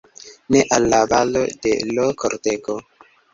Ne; al la balo de l' kortego!